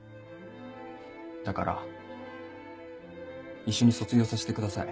だから一緒に卒業させてください。